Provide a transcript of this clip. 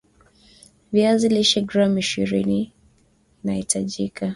viazi lishe gram ishiriniitahitajika